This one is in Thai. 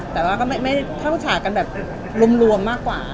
แต่ว่าก็ไม่เข้าฉากกันแบบรวมมากกว่า